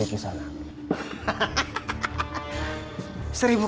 ibu akan serious